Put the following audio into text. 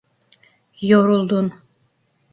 Yoruldun…